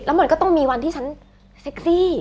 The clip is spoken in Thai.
มันก็ต้องมีวันที่ฉันเซ็กซี่